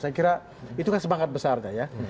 saya kira itu kan semangat besar ya